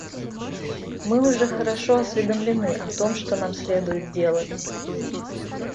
Мы уже хорошо осведомлены о том, что нам следует делать.